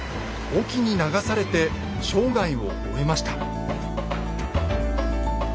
隠岐に流されて生涯を終えました。